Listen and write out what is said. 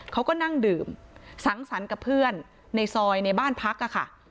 เขาก็นั่งดื่มสังสรรค์กับเพื่อนในซอยในบ้านพักค่ะ